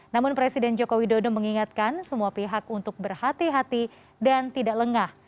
namun presiden joko widodo mengingatkan semua pihak untuk berhati hati dan tidak lengah